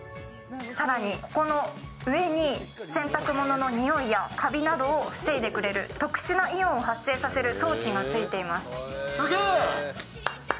更にここの上に洗濯物の臭いやカビなどを防いでくれる特殊なイオンを発生させる装置がついています。